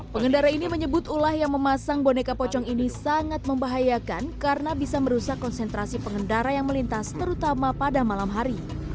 pengendara ini menyebut ulah yang memasang boneka pocong ini sangat membahayakan karena bisa merusak konsentrasi pengendara yang melintas terutama pada malam hari